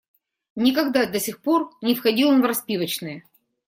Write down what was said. Никогда до сих пор не входил он в распивочные.